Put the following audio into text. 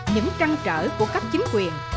những trăn trở của các chính quyền